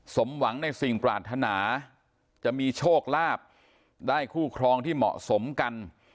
สมหวังในสิ่งปรารถนาจะมีโชคลาภได้คู่ครองที่เหมาะสมกัน